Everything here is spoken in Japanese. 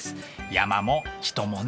山も人もね。